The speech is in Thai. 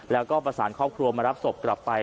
แล้วก็ประสานครอบครัวมารับศพกลับไป